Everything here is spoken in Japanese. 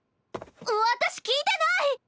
私聞いてない！